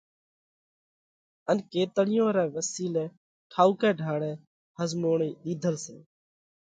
ان ڪيتڻِيون رئہ وسِيلئہ ٺائُوڪئہ ڍاۯئہ ۿزموڻئِي ۮِيڌل سئہ۔